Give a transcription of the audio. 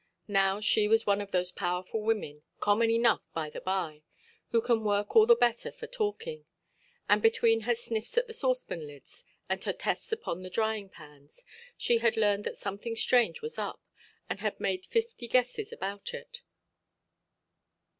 Now, she was one of those powerful women—common enough, by–the–by—who can work all the better for talking; and, between her sniffs at the saucepan–lids, and her tests upon the drying–pans, she had learned that something strange was up, and had made fifty guesses about it.